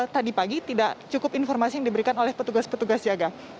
tadi pagi tidak cukup informasi yang diberikan oleh petugas petugas jaga